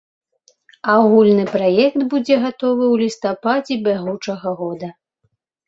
Агульны праект будзе гатовы ў лістападзе бягучага года.